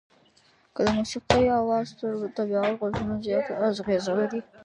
که د موسيقۍ اواز تر طبيعت غږونو زیاته اغېزه لري.